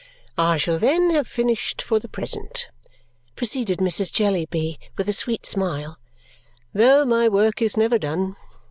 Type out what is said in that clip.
" I shall then have finished for the present," proceeded Mrs. Jellyby with a sweet smile, "though my work is never done.